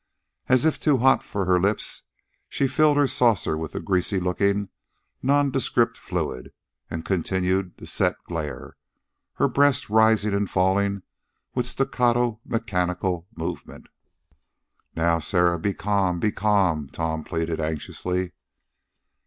As if too hot for her lips, she filled her saucer with the greasy looking, nondescript fluid, and continued her set glare, her breast rising and falling with staccato, mechanical movement. "Now, Sarah, be c'am, be c'am," Tom pleaded anxiously.